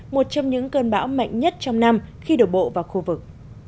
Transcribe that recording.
một trong những cơn bão mạnh nhất trong năm khi đổ bộ vào khu vực